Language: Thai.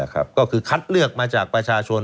ก็คือคัดเลือกมาจากประชาชน